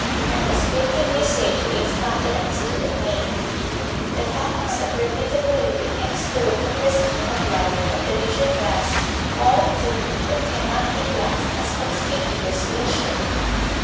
And prescriptive usage gives countenance to the claim. The canons of reputable living exclude from the scheme of life of the leisure class all activity that can not be classed as conspicuous leisure.